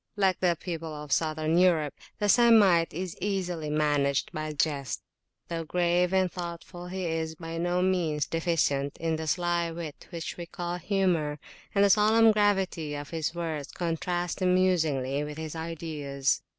Like the people of Southern Europe, the Semite is easily managed by a jest: though grave and thoughtful, he is by no means deficient in the sly wit which we call humour, and the solemn gravity of his words contrasts amusingly with his ideas.